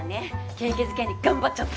景気づけに頑張っちゃった。